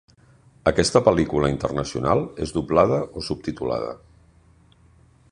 Aquesta pel·lícula internacional és doblada o subtitulada?